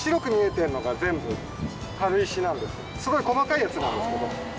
このすごい細かいやつなんですけど。